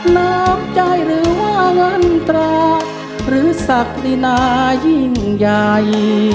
น้ำใจหรือว่าเงินตราหรือศักดินายิ่งใหญ่